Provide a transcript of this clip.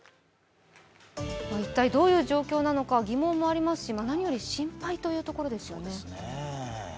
一体どういう状況なのか疑問もありますし何より心配というところですよね。